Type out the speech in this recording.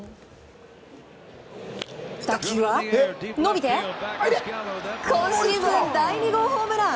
打球は伸びて今シーズン第２号ホームラン！